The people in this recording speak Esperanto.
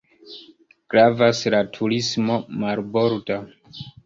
Gravas la turismo marborda.